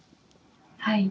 はい。